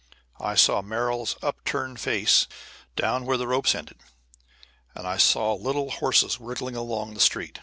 I saw Merrill's upturned face down where the ropes ended. And I saw little horses wriggling along on the street.